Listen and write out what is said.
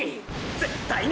絶対に！！